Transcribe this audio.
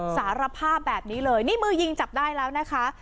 สารภาพแบบนี้เลยนี่มือยิงจับได้แล้วนะคะ